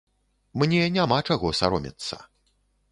Мне няма чаго саромецца.